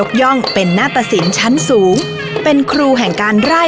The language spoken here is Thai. คุณผู้ชมอยู่กับดิฉันใบตองราชนุกูลที่จังหวัดสงคลาค่ะ